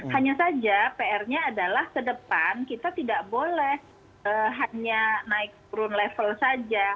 hanya saja pr nya adalah ke depan kita tidak boleh hanya naik turun level saja